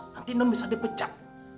nanti nom bisa dipecah